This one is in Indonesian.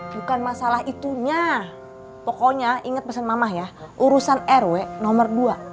bukan masalah itunya pokoknya inget pesan mamah ya urusan rw nomor dua